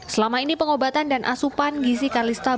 selama ini pengobatan dan asupan gizi kalistabil